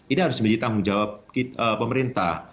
ini harus menjadi tanggung jawab pemerintah